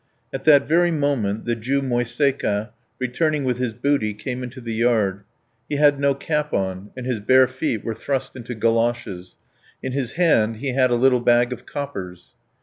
At that very moment the Jew Moiseika, returning with his booty, came into the yard. He had no cap on, and his bare feet were thrust into goloshes; in his hand he had a little bag of coppers.